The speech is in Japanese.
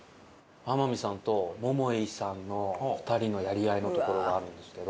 天海さんと桃井さんの２人のやり合いのところがあるんですけど。